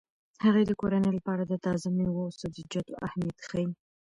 هغې د کورنۍ لپاره د تازه میوو او سبزیجاتو اهمیت ښيي.